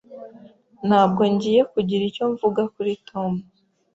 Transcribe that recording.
Ntabwo ngiye kugira icyo mvuga kuri Tom.